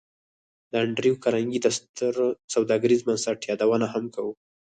د انډریو کارنګي د ستر سوداګریز بنسټ یادونه هم کوو